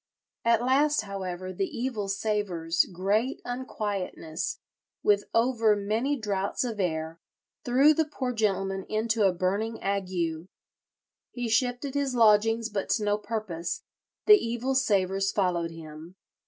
"At last, however, the evil savours, great unquietness, with over many draughts of air, threw the poor gentleman into a burning ague. He shifted his lodgings, but to no purpose; the evil savours followed him.